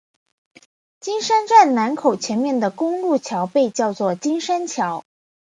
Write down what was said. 金山站南口前面的公路桥被叫做金山桥。